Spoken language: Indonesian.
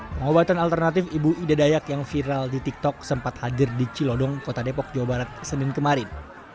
pengobatan alternatif ibu ida dayak yang viral di tiktok sempat hadir di cilodong kota depok jawa barat senin kemarin